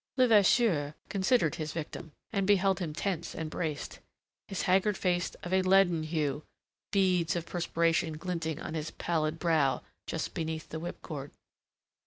Levasseur considered his victim, and beheld him tense and braced, his haggard face of a leaden hue, beads of perspiration glinting on his pallid brow just beneath the whipcord.